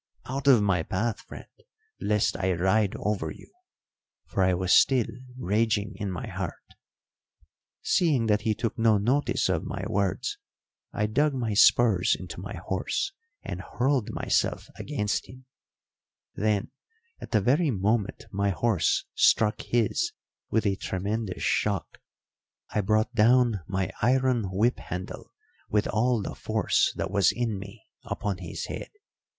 'Out of my path, friend, lest I ride over you'; for I was still raging in my heart. "Seeing that he took no notice of my words, I dug my spurs into my horse and hurled myself against him; then at the very moment my horse struck his with a tremendous shock, I brought down my iron whip handle with all the force that was in me upon his head.